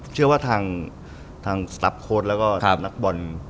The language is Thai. เชื่อว่าทางสตาร์ฟโค้ดแล้วก็นักบอล